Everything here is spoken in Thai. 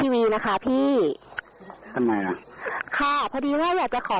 อย่างนี้มีไหมท่าน